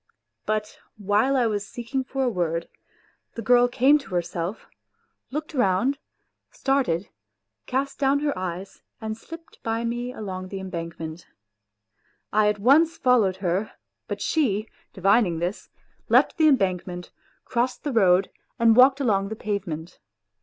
But while I was seeking for a word, the girl came to herself, looked round, started, cast down her eyes and slipped 6 WHITE NIGHTS by me along the embankment. I at once followed her ; but she, divining this, left the embankment, crossed the road and walked along the pavement.